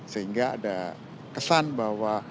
sehingga ada kesan bahwa